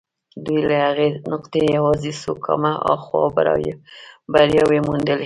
دوی له هغې نقطې يوازې څو ګامه هاخوا برياوې موندلې.